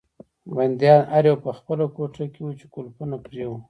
بندیان هر یو په خپله کوټه کې وو چې قلفونه پرې وو.